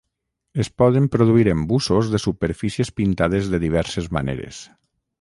Es poden produir embussos de superfícies pintades de diverses maneres.